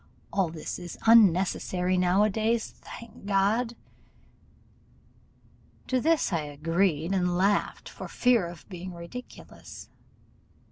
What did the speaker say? All this is unnecessary now a days, thank God!' To this I agreed, and laughed for fear of being ridiculous.